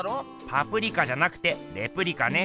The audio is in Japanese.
パプリカじゃなくてレプリカね。